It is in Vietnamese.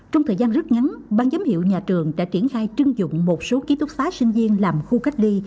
trong thời gian rất ngắn ban giám hiệu nhà trường đã triển khai trưng dụng một số ký túc xá sinh viên làm khu cách ly